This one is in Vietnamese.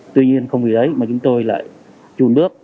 tuy nhiên không vì đấy mà chúng tôi lại chùn bước